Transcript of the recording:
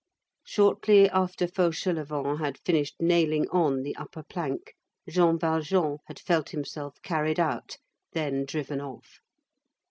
Shortly after Fauchelevent had finished nailing on the upper plank, Jean Valjean had felt himself carried out, then driven off.